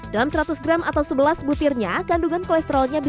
dalam seratus gram atau sebelas butirnya kandungan kolesterolnya berbeda